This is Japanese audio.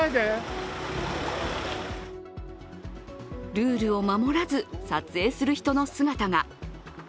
ルールを守らず撮影する人の姿が。